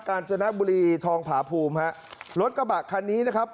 การจนบุรีทองผาภูมิฮะรถกระบะคันนี้นะครับ